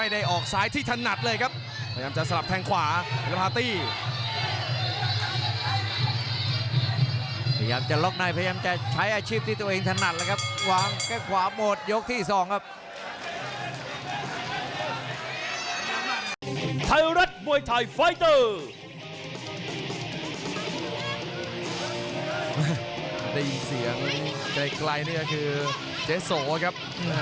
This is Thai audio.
ได้ยินเสียงไกลนี่ก็คือเจ๊โสครับ